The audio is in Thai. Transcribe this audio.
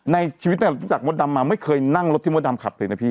ในชีวิตตั้งแต่เราจัดรถดำมาไม่เคยนั่งรถที่รถดำขับเลยนะพี่